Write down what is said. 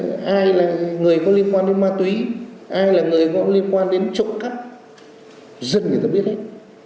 thế rồi ai là người có liên quan đến ma túy ai là người có liên quan đến trộm cắt dân người ta biết hết